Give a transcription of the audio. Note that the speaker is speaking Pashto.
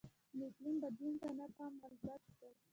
د اقلیم بدلون ته نه پام غفلت دی.